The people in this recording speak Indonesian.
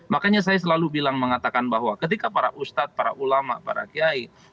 makanya saya selalu bilang mengatakan bahwa